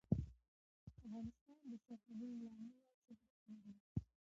افغانستان د سرحدونه له امله شهرت لري.